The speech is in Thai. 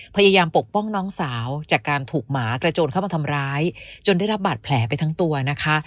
ปกป้องน้องสาวจากการถูกหมากระโจนเข้ามาทำร้ายจนได้รับบาดแผลไปทั้งตัวนะคะ